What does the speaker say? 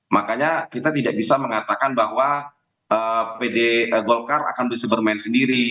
makanya kita tidak bisa mengatakan bahwa pd golkar akan bisa bermain sendiri